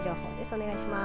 お願いします。